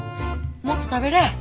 もっと食べれ。